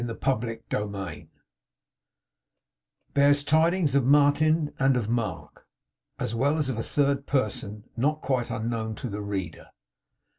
CHAPTER FORTY EIGHT BEARS TIDINGS OF MARTIN AND OF MARK, AS WELL AS OF A THIRD PERSON NOT QUITE UNKNOWN TO THE READER.